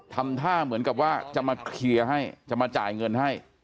ทำท่าเหมือนกับว่าจะมาเคลียร์ให้จะมาจ่ายเงินให้